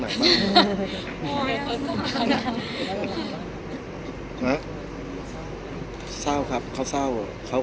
พี่อัดมาสองวันไม่มีใครรู้หรอก